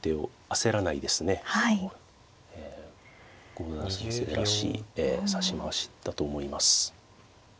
郷田先生らしい指し回しだと思います。